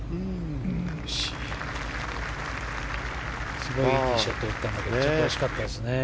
すごい、いいショットを打ったんだけど惜しかったですね。